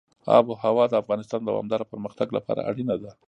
آب وهوا د افغانستان د دوامداره پرمختګ لپاره اړینه ده.